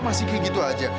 masih kayak gitu aja